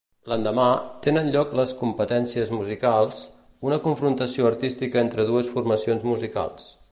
L'endemà, tenen lloc les Competències Musicals, una confrontació artística entre dues formacions musicals.